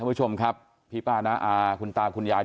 ท่านผู้ชมครับพี่ป้านะคุณตาคุณยาย